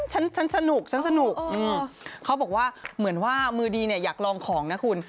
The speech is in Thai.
ฉันสนุกเขาบอกว่าเหมือนว่ามือดีอยากลองของนะคุณ